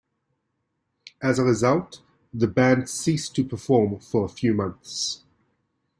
As a result, the band ceased to perform for a few months.